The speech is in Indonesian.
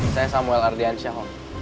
saya samuel ardiansyah om